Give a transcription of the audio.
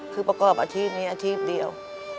คือประกอบอาชีพนี้อาชีพเดียว